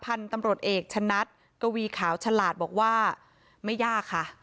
พันธุ์ตำรวจเอกชะนัดกวีขาวฉลาดบอกว่าไม่ยากค่ะ